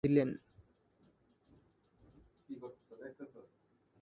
অবশেষে রাজা নিজের মুকুট লইয়া ধ্রুবের মাথায় চড়াইয়া দিলেন।